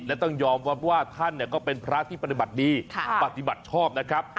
และต้องยอมรับว่าท่านก็เป็นพระที่ปฏิบัติดีปฏิบัติชอบนะครับ